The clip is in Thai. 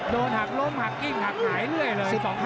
โดนหักล้มหักกิ้งหักหายเรื่อยเลย